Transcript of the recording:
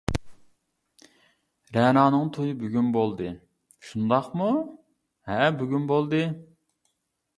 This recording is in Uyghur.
رەنانىڭ تويى بۈگۈن بولدى شۇنداقمۇ؟ -ھەئە، بۈگۈن بولدى.